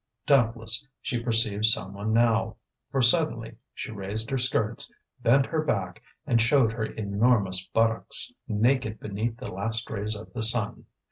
Doubtless she perceived someone now, for suddenly she raised her skirts, bent her back, and showed her enormous buttocks, naked beneath the last rays of the sun.